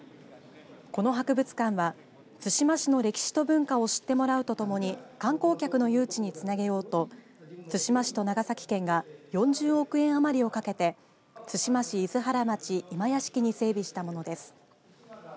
この博物館は対馬市の歴史と文化を知ってもらうとともに観光客の誘致につなげようと対馬市と長崎県が４０億円余りをかけて対馬市厳原町今屋敷に整備したものです。